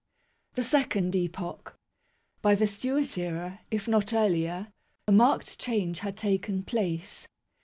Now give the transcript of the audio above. THE SECOND EPOCH. By the Stewart era, if not earlier, a marked change had taken place.